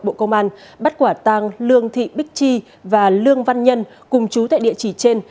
bộ công an bắt quả tang lương thị bích chi và lương văn nhân cùng chú tại địa chỉ trên